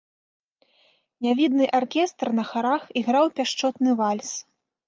Нявідны аркестр на харах іграў пяшчотны вальс.